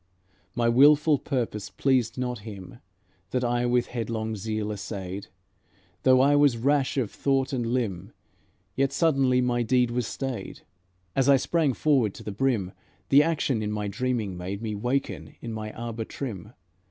My wilful purpose pleased not Him, That I with headlong zeal essayed; Though I was rash of thought and limb, Yet suddenly my deed was stayed. As I sprang forward to the brim, The action in my dreaming made Me waken in my arbour trim.